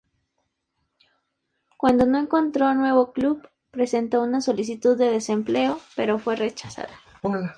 Cuando no encontró nuevo club, presentó una solicitud de desempleo, pero fue rechazada.